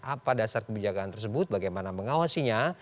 apa dasar kebijakan tersebut bagaimana mengawasinya